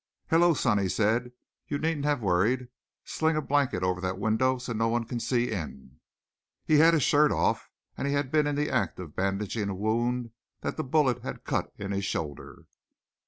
"Hello, son!" he said. "You needn't have worried. Sling a blanket over that window so no one can see in." He had his shirt off and had been in the act of bandaging a wound that the bullet had cut in his shoulder.